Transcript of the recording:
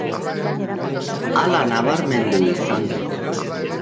Hala nabarmendu izan du.